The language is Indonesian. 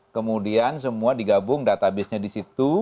kemudian semua digabung database nya di situ